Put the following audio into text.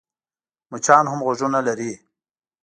مچان هم غوږونه لري .